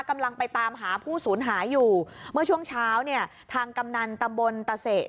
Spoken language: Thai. กำลังไปตามหาผู้สูญหายอยู่เมื่อช่วงเช้าเนี่ยทางกำนันตำบลตะเศษ